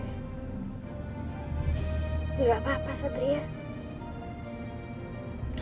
gak apa apa satria